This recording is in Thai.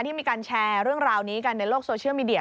ที่มีการแชร์เรื่องราวนี้กันในโลกโซเชียลมีเดีย